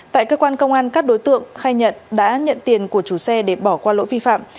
tại cơ quan công an các đối tượng khai nhận đã nhận tiền của chủ xe để bỏ qua lỗi vi phạm